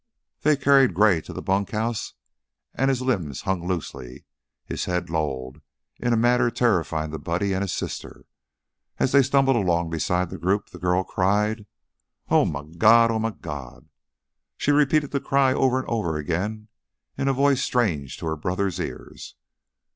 They carried Gray to the bunk house, and his limbs hung loosely, his head lolled in a manner terrifying to Buddy and his sister. As they stumbled along beside the group, the girl cried: "Oh, my God! Oh, my God!" She repeated the cry over and over again in a voice strange to her brother's ears.